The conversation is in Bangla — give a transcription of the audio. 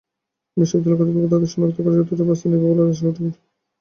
বিশ্ববিদ্যালয় কর্তৃপক্ষ তাঁদের শনাক্ত করে যথাযথ ব্যবস্থা নেবে বলে আশা করি।